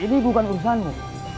ini bukan urusanmu